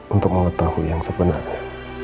untuk mengetahui yang sebenarnya